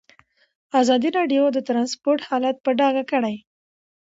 ازادي راډیو د ترانسپورټ حالت په ډاګه کړی.